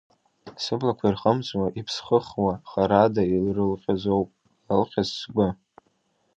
Сыблақәа ирхымҵуа, иԥсхыхуа, харада ирылҟьазоуп иалҟьаз сгәы.